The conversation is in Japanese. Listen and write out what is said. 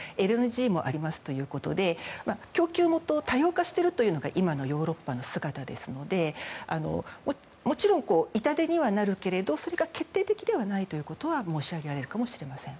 ＬＮＧもありますということで供給元を多様化しているというのが今のヨーロッパの姿ですのでもちろん、痛手にはなるけれどもそれが決定的ではないということは申し上げられるかもしれません。